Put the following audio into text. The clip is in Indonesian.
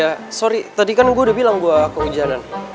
ya sorry tadi kan gue udah bilang gua kehujanan